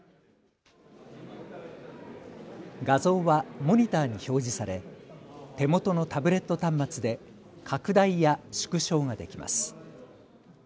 画像はモニターに表示され手元のタブレット端末で拡大や縮小ができます。